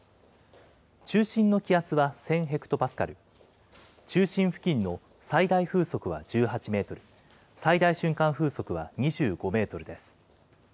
中心の気圧は１０００ヘクトパスカル、中心付近の最大風速は１８メートル、最大瞬間風速は２５メートルです。